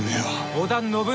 ［織田信長］